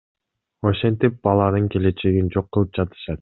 Ошентип баланын келечегин жок кылып жатышат.